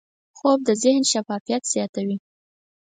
خوب د ذهن شفافیت زیاتوي